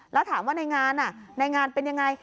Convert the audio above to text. แล้วถามว่าในงานในงานเป็นยังไง